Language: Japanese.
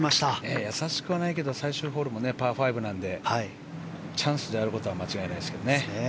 やさしくはないけど最終ホールもパー５なのでチャンスなのは間違いないです。